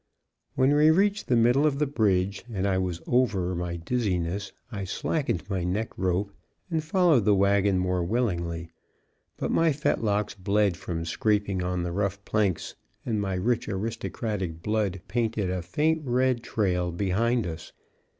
When we reached the middle of the bridge and I was over my dizziness, I slackened my neck rope and followed the wagon more willingly, but my fetlocks bled from scraping on the rough planks and my rich aristocratic blood painted a faint red trail behind us.